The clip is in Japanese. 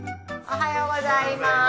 おはようございます。